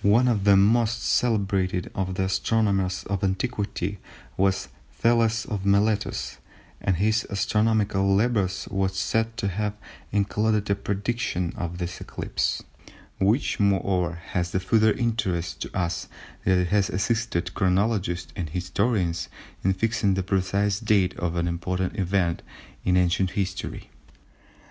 One of the most celebrated of the astronomers of antiquity was Thales of Miletus, and his astronomical labours were said to have included a prediction of this eclipse, which moreover has the further interest to us that it has assisted chronologists and historians in fixing the precise date of an important event in ancient history.